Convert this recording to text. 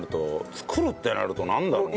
作るってなるとなんだろうな。